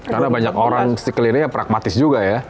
karena banyak orang si kelirinya pragmatis juga ya